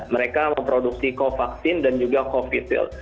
mereka memproduksi covaxin dan juga covifil